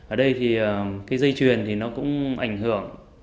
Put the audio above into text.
ở đây thì cái dây chuyền thì nó cũng ảnh hưởng